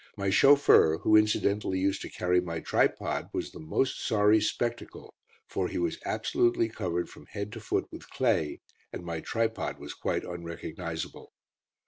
My chauffeur, who incidentally used to carry my tripod, was the most sorry spectacle for he was absolutely covered from head to foot with clay, and my tripod was quite unrecognisable.